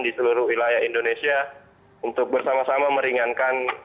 di seluruh wilayah indonesia untuk bersama sama meringankan